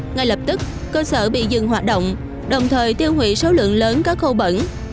ngay lập tức cơ sở bị dừng hoạt động đồng thời tiêu hủy số lượng lớn cá khô bẩn